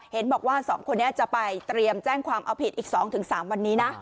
เห็นบอกว่าสองคนแน่ะจะไปเตรียมแจ้งความเอาผิดอีกสองถึงสามวันนี้นะ